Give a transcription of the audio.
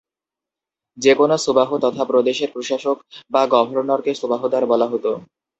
যেকোন সুবাহ তথা প্রদেশের প্রশাসক বা গভর্নরকে সুবাহদার বলা হতো।